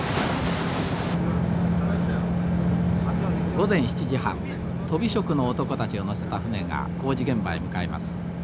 午前７時半とび職の男たちを乗せた船が工事現場へ向かいます。